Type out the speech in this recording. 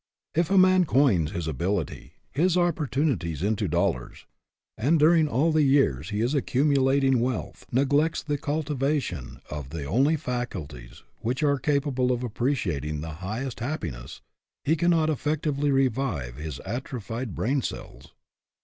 If a man coins his ability, his opportunities into dollars, and during all the years he is accumulating wealth neglects the cultivation of the only faculties which are capable of appreci ating the highest happiness, he cannot effect ively revive his atrophied brain cells.